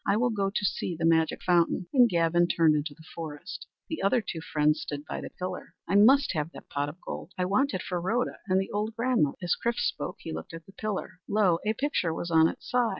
I will go to see the Magic Fountain," and Gavin turned into the forest. The other two friends stood by the pillar. "I must have that pot of gold. I want it for Rhoda and the old grandmother." As Chrif spoke, he looked at the pillar. Lo! a picture was on its side.